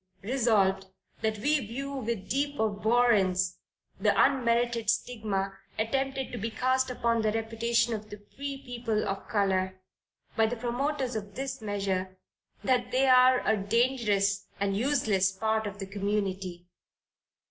Resolved, That we view with deep abhorrence the unmerited stigma attempted to be cast upon the reputation of the free people of color, by the promoters of this measure, "that they are a dangerous and useless part of the community."